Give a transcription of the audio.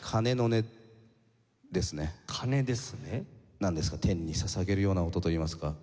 なんですか天に捧げるような音といいますか。